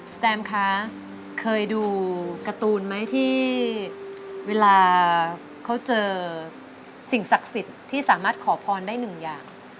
แตมคะเคยดูการ์ตูนไหมที่เวลาเขาเจอสิ่งศักดิ์สิทธิ์ที่สามารถขอพรได้หนึ่งอย่าง